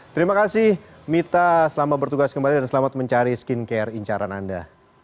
terima kasih mita selamat bertugas kembali dan selamat mencari skincare incaran anda